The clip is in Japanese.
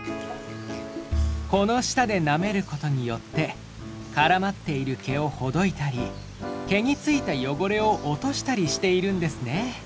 この舌でなめることによって絡まっている毛をほどいたり毛についた汚れを落としたりしているんですね。